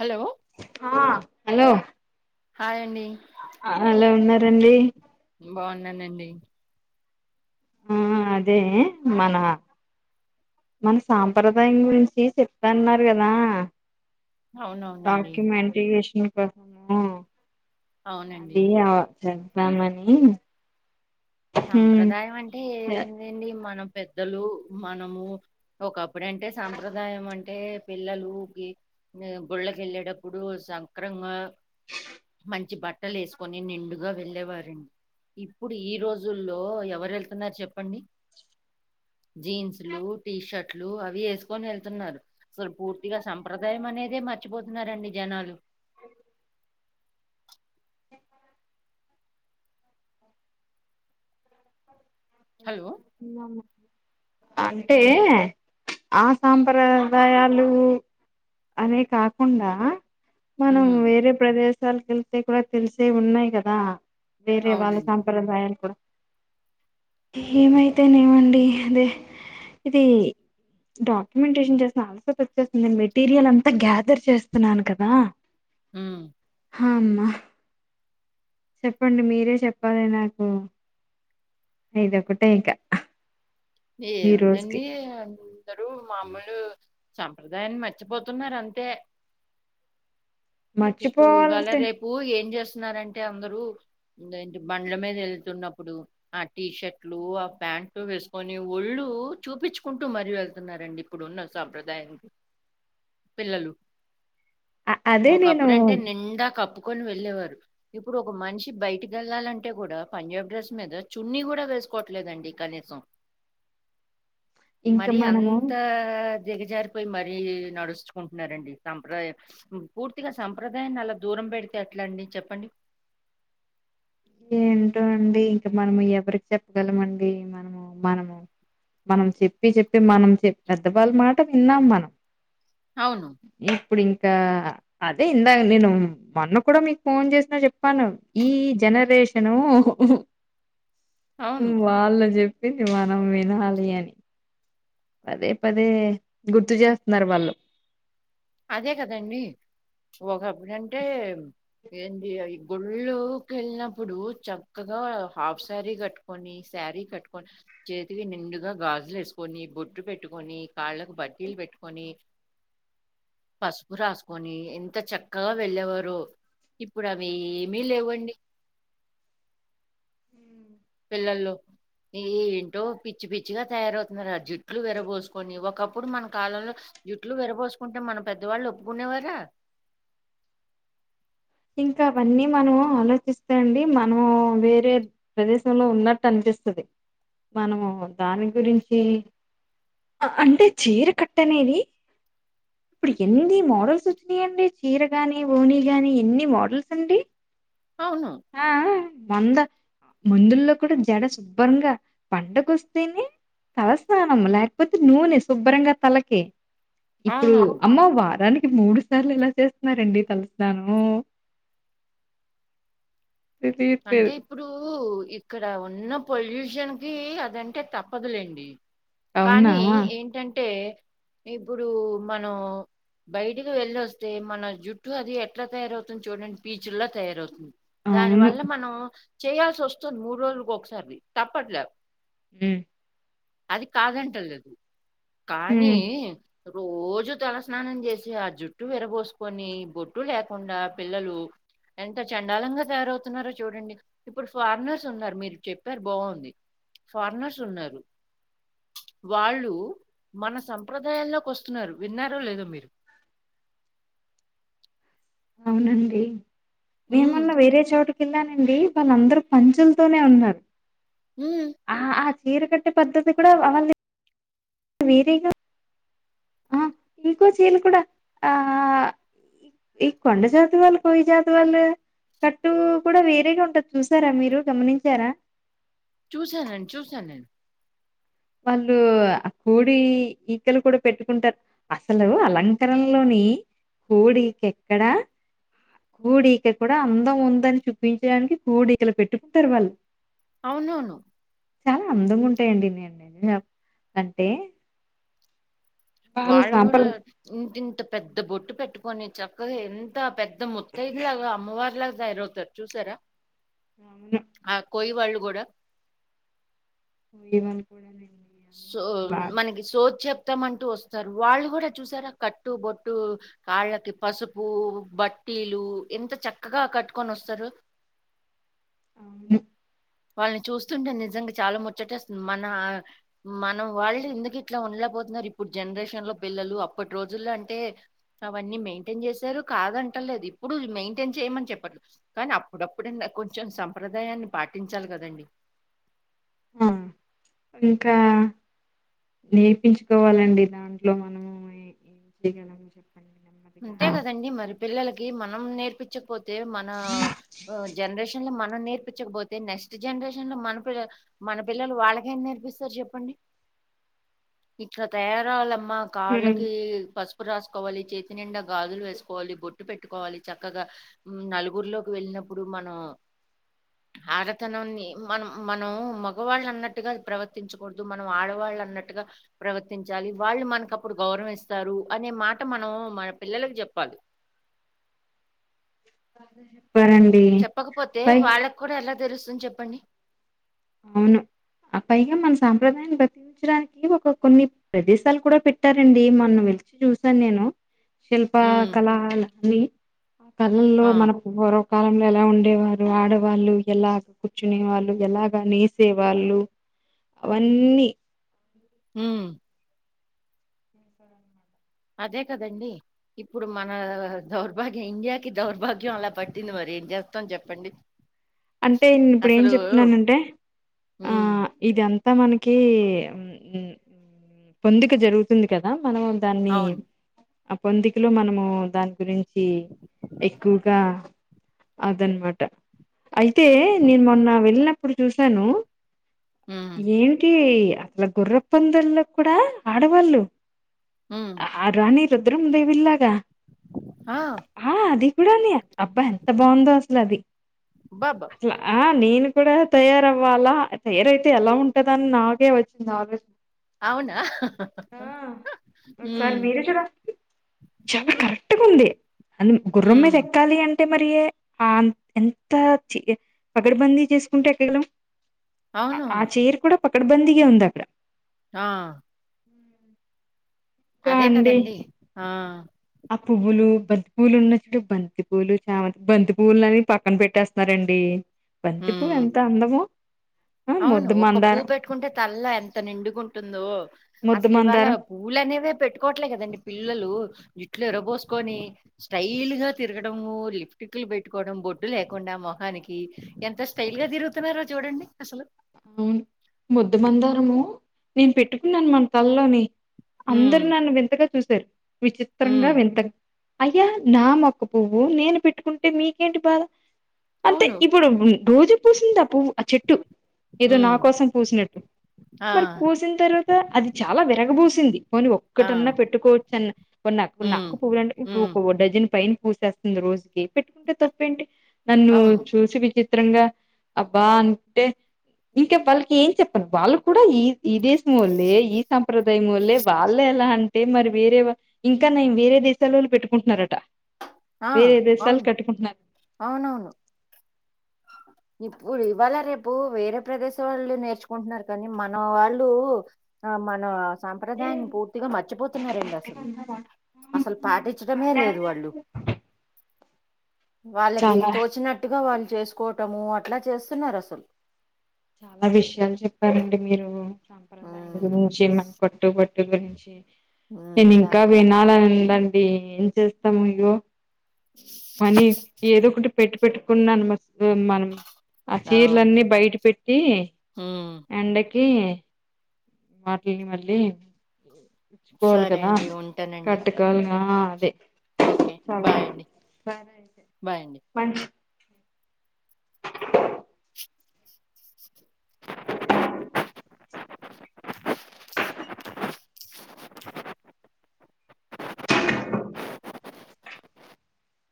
Hello ఆ hello hi అండి hello ఉన్నారండి బాగున్నాను అండి మ్ ఆ అదే మన మన సాంప్రదాయం గురించి చెప్తా అన్నారు కదా? అవునవునండి డాక్యుమెంటేజేషన్ ప అవునండి ఇదే అ చెప్పుదామని. సాంప్రదాయం అంటే ఏందండి మన పెద్దలు మనము ఒకప్పుడంటే సాప్రదాయం అంటే పిల్లలు గుళ్ళకేళ్ళేటప్పుడు సంక్రంగా మంచి బట్టలు వేసుకొని నిండుగా వెళ్ళేవారండి. ఇప్పుడు ఈ రోజు ఈ రోజుల్లో ఎవరు వెళ్తున్నారు చెప్పండి? జీన్స్ లు, టీషర్ట్లు అవి వేసుకొని వెళ్తున్నారు. అసలు పూర్తిగా సంప్రదాయమే అనేదే మర్చిపోతున్నారండి జనాలు. స్ హలో ఇలానే అంటే ఆ సాంప్రదాయాలు అనే కాకుండా మనం ఉమ్, వేరే ప్రదేశాలక వెళ్తే కూడా తెలిసేవి ఉన్నాయి కదా? వేరే వాళ్ళ అవునండి సాంప్రదాయాలు కూడా ఏమైతేనేమండి అదే ఇది డాక్యుమెంటేషన్ చేసిన ఆన్సర్ వచ్చేస్తుంది నేను మెటీరియల్ అంతా గ్యాదర్ చేస్తున్నాను కదా? స్ మ్ హమ్మ చెప్పండి మీరే చెప్పాలి నాకు. నీది ఒకటే ఇక ఈ రోజుకి ఏముందండి ఆ అందరు మామూలు సాంప్రదాయాన్ని మర్చిపోతున్నారు అంతే. ఇప్పుడు ఇవాళ మర్చిపోవాలంటే రేపు ఏం చేస్తున్నారంటే అందరూ ఇంకేంటి బండ్ల మీద ఎళ్తున్నప్పుడు ఆ టీషర్ట్లు ఆ ప్యాంట్ వేసుకొని ఒళ్ళు చూపించుకుంటూ మరీ వెళ్తున్నారండి. ఇప్పుడున్న సాంప్రదాయం పిల్లలు. అ అదే నేను ఒకప్పుడు అంటే నిండా కప్పుకొని వెళ్ళేవారు. ఇప్పుడు ఒక మనిషి బయటికి వెళ్లాలంటే కూడా, పంజాబ్ డ్రస్ మీద చున్నీ కూడా వేసుకోవట్లేదండి కనీసం. స్ మరీ అంత దిగజారిపోయి మరీ నడుచుకుంటున్నారండి. సంప్రదాయం పూర్తిగా సంప్రదాయాన్ని అలా దూరం పెడితే ఎట్లా అండి చెప్పండి. ఏంటో అండి ఇంక మనము ఎవరికి చెప్పగలమండి మనము మనము మనం చెప్పి చెప్పి మనం చె పెద్దవాళ్ళ మాట విన్నాం మనం. అవును ఇప్పుడు ఇంకా అదే ఇందాక నేను మొన్న కూడా మీకు ఫోన్ చేసినా చెప్పాను ఈ జనరేషను హు హూ అవును. వాళ్ళ చెప్ చెప్పింది మనం వినాలి అని. పదే పదే గుర్తు చేస్తున్నారు వాళ్ళు. అదే కదండి ఒకప్పుడంటే ఏంటి అవి గుళ్ళోకి ఎళ్ళినప్పుడు చక్కగా హాఫ్ సారీ కట్టుకో కొని సారీ కట్టుకొని సరే చేతికి నిండుగా గాజులు వేసుకొని బొడ్టు పెట్టుకొని కాళ్ళలకు పట్టిలు పెట్టుకొని పసుపు రాసుకొని ఎంత చక్కగా వెళ్ళేవారు ఇప్పుడు అవి ఏమి లేవండి పిల్లల్లో ఈ ఏంటో పిచ్చి పిచ్చిగా తయారవుతున్నారు ఆజుట్లు విరబోసుకొని ఒకప్పుడు మన కాలంలో జుట్లు విరబోసుకుంటే మన పెద్దవాళ్ళు ఒప్పుకునేవారా ఇంక అవన్నీ మనం ఆలోచిస్తేండి మనం వేరే ప్రదేశంలో ఉన్నట్టు అనిపిస్తుంది మనము దాని గురించి అంటే చీర కట్టనేది ఇప్పుడు ఎన్ని మోడల్స్ వచ్చినాయండి చీర గాని ఓనీ గాని ఎన్ని మోడల్స్ అండి అవును ఆహ మంద మందుల్లో కూడా జడ శుభ్రంగా పంటగొస్తేనే తలస్నానం లేకపోతే నూనె శుభ్రంగా తలకి ఇప్పుడు అవునవును అమ్మో వారానికి మూడు సార్లు ఎలా చేస్తున్నారండి తల స్నానం తెలియట్లేదు. అంటే ఇప్పుడు ఇక్కడ ఉన్న పొల్యూషన్కి అదంటే తప్పదులేండి అవునా? కానీ ఏంటంటే ఇప్పుడు మనం బయటకు వెళ్ళి వస్తే మన జుట్టు అది ఎట్లా తయారవుతుంది చూడండి పీచుల్లా తయారవుతుంది దాని అవును. వల్ల మనం చేయాల్సి వస్తుంది మూడు రోజులకి ఒకసారి తప్పట్లేదు ఉ అది కాదంటలు కానీ హ్మ్. రోజు తలస్నానం చేసి ఆ జుట్టు విరబోసుకొని బొట్టు లేకుండా పిల్లలు ఎంత చెండాలంగా తయారవు స్తున్నారా చూడండి ఇప్పుడు ఫారినర్స్ ఉన్నారు మీరు చెప్పారు బాగుంది ఫారినర్స్ ఉన్నారు వాళ్ళు మన సంప్రదాయాల్లోకి వస్తున్నారు విన్నారో లేదో మీరు అవునండి మేము ఉమ్, మొన్న వేరే చోటు కెల్లానండి వాళ్ళ అందరు పంచలతోనే ఉన్నారు ఉమ్ ఆ ఆ చీర కట్టే పద్ధతి కూడా వాళ్ళే వేరేగా ఆ ఇంకోచీలు కూడా ఆ ఈ కొండజాతవాళ్ళు కోయ జాతివాళ్లు కట్టు కూడా వేరేగా ఉంటది చూసారా మీరు గమనించారా చూసానండి చూసానండి వాళ్ళు అ కోడి ఈకలు కూడా పెట్టుకుంటారు అసలు అలంకరనలోని కోడికెక్కడా కోడిక కూడా అందం ఉందని చూపించడానికి కోడికలు పెట్టుకుంటారు వాళ్ళు అవునవును చాలా అందం ఉంటాయండి నేను నే అంటే వాళ్ళు కూడా ఇంతంత పెద్దబొట్టు పెట్టుకొని చక్కగా ఎంత పెద్ ఇ ముత్తైదులా అమ్మవారీలాగ తయారవుతారు చూసారా అవును ఆ కోయవాళ్ళు కూడా నువ్ ఎం అనకూడ సో మనకి సోది చెప్తామంటూ వస్తారు వాళ్ళు కూడా చూసారా కట్టు బొట్టు కాళ్ళకి పసుపు బట్టీలు ఎంత చక్కగా కట్టుకొని వస్తారు ఉ వాళ్ళని చూస్తుంటే నిజంగా చాలా ముచ్చటేస్తుంది మన మనం వాళ్ళు ఎందుకు ఇట్లా ఉండలేపోతున్నారు ఇప్పుడు జనరేషన్ లో పిల్లలు అప్పటి రోజుల్లో అంటే అవన్నీ మెయింటైన్ చేశారు కాదంటలేదు ఇప్పుడు మెయింటైన్ చేయమని చెప్పను కానీ అప్పుడప్పుడు కొంచెం సంప్రదాయాన్ని పాటించాలి కదండి ఆ ఇంకా నేర్పించుకోవాలండి దాంట్లో చెప్పండి నెమ్మదిగా. అంతే కదండి మరి పిల్లలకి మనం నేర్పించకపోతే తే మన అ జనరేషన్ లో మన నేర్ పిచకపోతే నెక్స్ట్ జనరేషన్ లో మన పిల మన పిల్లలు వాళ్లేం నేర్పిస్తారు చెప్పండి ఇట్లా తయారవాలమ్మా హ్మ్. కాళ్ళకి పసుపు రాసుకోవాలి చేతి నిండా గాజులు వేసుకోవాలి బొట్టు పెట్టుకోవాలి చక్కగా నలుగురిలోకి వెళ్ళినప్పుడు మనం ఆరతనాన్ని మనం మనం మగవాళ్ళు అన్నట్టుగా ప్రవర్తించకూడదు మనం ఆడవాళ్ళు అన్నట్టుగా ప్రవర్తించాలి వాళ్ళు మనకప్పుడు గౌరవిస్తారు అనే మాట మనం మన పిల్లలకు చెప్పాలి పరం చెప్పకపోతే వాళ్ళకి కూడా ఎలా తెలుస్తుంది చెప్పండి అవును అ పైగా మన సాంప్రదాయాన్ని బతి పించడానికి ఒక కొన్ని ప్రదేశాలు కూడా పెట్టారండి మన్న వెలిచి చూసాను నేను శిల్ప హ్మ్. కళా లన్నీ ఆ కళల్లో ఆ! మన గౌరవ కాలంలో ఎలా ఉండేవారు ఆడవాళ్ళు ఎలా కూర్చునే వాళ్ళు ఎలా కానీ సేవాళ్ళు అవన్నీ ఉ [inaudible] అదే కదండి ఇప్పుడు మన దౌర్భాగ్యం ఇండియాకి దౌర్భాగ్యం అలా పట్టింది మరి ఏం చేస్తాం చెప్పండి అంటే నేను ఇప్పుడు ఏం అసలు చెప్తున్నానంటే ఆ హ్మ్. ఇది అంతా మనకి ఉమ్ ఉమ్ పొందిక జరుగుతుంది కదా మనం దాన్ని అవును. ఆ పొందికలో మనము దాని గురించి చి ఎక్కువగా అదనమాట అయితే నేను మొన్న వెళ్ళినప్పుడు చూసాను హ్మ్. ఏంటి అసల గుర్ర పందాల్లో కూడా ఆడవాళ్ళు ఉ ఆ రాణి రుద్రమదేవీల్లాగా ఆ ఆ అది కూడాని అబ్బా ఎంత బాగుందో అసలు అది అబ్బబ్బ అలా ఆ నేను కూడా తయారవ్వాలా తయారయితే ఎలా ఉంటదని నాగే వచ్చింది ఆలోచన అవునా? ఆ ఒక హ్మ్. సారి మీరే చూడండి చాలా కరెక్ట్గా ఉంది అన్ గుర్రం మీద హ్మ్. ఎక్కాలి అంటే మరి ఆ ఎన్ అంతా పగడ్బందీ చేసుకుంటే ఎక్కగలం ఆ అవునవును. చైర్ కూడా పక్కడబంది గా ఉంది అక్కడ ఆ ఇంకా అదే అండి కదండి ఆ ఆ పువ్వులు బంతి పువ్వులు ఉన్నట్టు బంతి పులు చామ బంతి పువ్వులని పక్కన పెట్టేస్తున్నారండి బంతిపూవు హ్మ్. ఎంత అందమో ఆ అవును ముద్దు ఒక పూవు మందారం పెట్టుకుంటే తల్లో ఎంత నిండుగుంటుందో ముద్దు అసలు ఇవాళ మందారం పూలు అనేవే పెట్టుకోవట్లే కదండి పిల్లలు జట్లు ఇర్రబోసుకొని స్టైల్ గా తిరగడము లిప్స్టిక్ లు పెట్టుకోవడం బొట్టు లేకుండా మొహనికి ఎంత స్టైల్ గా తిరుగుతున్నారో చూడండి అసలు అవును ముద్దమందారము నేను పెట్టుకున్నాను మన తలలోని అందరు హ్మ్. నన్ను వింతగా చూసారు విచిత్రంగా హ్మ్. వింతగా అయ్యా నా మొక్క పువ్వు నేను పెట్టుకుంటే మీకేంటి బాధ అంటే అవును. ఇప్పుడు రోజు పూసిందా పువ్వు ఆ చెట్టు ఏదో హ్మ్. నా కోసం పూసినట్టు ఆ! మరి పూసిన తర్వాత అది చాలా విరగబూసింది పోని ఆ! ఒక్కటన్నా పెట్టుకోవచ్చు అన్న కున్న కున్న హ్మ్. ఒక్క పువ్వు హ్మ్. అంటే డజన్ పైన పూసేస్త రోజుకి పెట్టుకుంటే తప్పేంటి నన్ను అవును. చూసి విచి త్రంగా ఆబ్బా అంటే ఇంకా వాళ్ళకి ఏం చెప్పను వాళ్ళు కూడా ఈ ఈ దేశం వాళ్లే ఈ సాంప్రదాయం వాళ్ళే వాళ్ళే అలా అంటే అంటే మరి వేరే ఇంకా నయం వేరే దేశాలోళ్ళు పెట్టుకుంటున్నారట ఆ వేరే దేశాలు అవును కట్టుకుంటున్నారు. అవునవును ఇప్పుడు ఇవాళ రేపు వేరే ప్రదేశం వాళ్ళు నేర్చుకుంటున్నారు కానీ మన వాళ్ళు ఆ మన సాంప్రదాయాన్ని పూర్తిగా మర్చిపోతున్నారండి అసలు అసలు పాటించడమే లేదు వాళ్ళు వాళ్ళకి చాలా తోచినట్టు గా వాళ్ళు చేసుకోవటము అట్లా చేస్తున్నారు అసలు చాలా విషయాలు చెప్పారండి మీరు సాంప్రదాయం ఉమ్, గురించి మాకు కట్టు బొట్టు గురించి ఉమ్, నేను ఇంకా చాలా వినాలని ఉందండి ఏం చేస్తాము ఇగొ పని ఏదో ఒకటి పెట్టు పెట్టుకున్నాను మ మనం ఆ చీరలన్నీ బయట పెట్టి ఆ ఎండకి మాటల్ని మళ్ళీ ఇచ్చుకోవాలి సరే కదా అండి ఉంటానండి కట్ కాలుగా అదే ఓకే చాల బాయ్ అండి సరే అయితే బాయ్ అండి మంచి ఆ